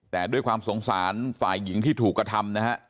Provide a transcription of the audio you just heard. แต่ด้วยความสงสารฝ่ายหญิงที่ถูกกระทำนะฮะ